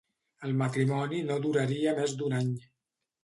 El matrimoni no duraria més d'un any.